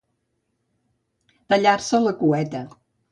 Tallar-se la cueta.